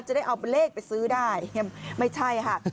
จะได้เอาเลขไปซื้อได้ไม่ใช่ค่ะ